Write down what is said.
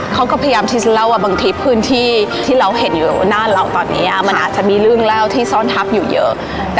เขาก็พยายามที่จะเล่าว่าบางทีพื้นที่ที่เราเห็นอยู่หน้าเราตอนนี้มันอาจจะมีเรื่องเล่าที่ซ่อนทับอยู่เยอะ